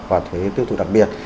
và thuế tiêu thụ đặc biệt